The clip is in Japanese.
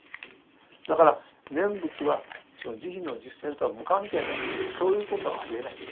だから念仏はその慈悲の実践とは無関係だというそういうことはありえない。